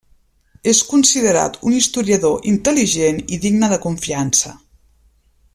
És considerat un historiador intel·ligent i digne de confiança.